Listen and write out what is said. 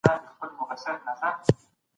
د تعليم حکم په قرآن کي څرګند دی.